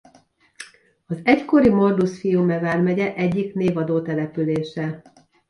Az egykori Modrus-Fiume vármegye egyik névadó települése.